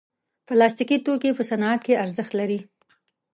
پلاستيکي توکي په صنعت کې ارزښت لري.